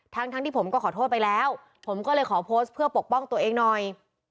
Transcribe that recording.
ทั้งทั้งที่ผมก็ขอโทษไปแล้วผมก็เลยขอโพสต์เพื่อปกป้องตัวเองหน่อย